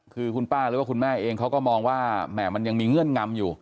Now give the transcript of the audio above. คือคุณป้าหรือว่าคุณแม่เองเขาก็มองว่าแหม่มันยังมีเงื่อนงำอยู่